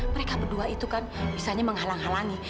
mereka berdua itu kan misalnya menghalang halangi